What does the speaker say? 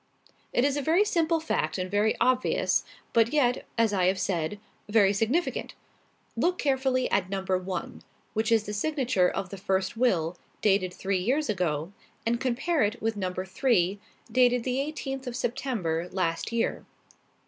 "It is a very simple fact and very obvious, but yet, as I have said, very significant. Look carefully at number one, which is the signature of the first will, dated three years ago, and compare it with number three, dated the eighteenth of September last year."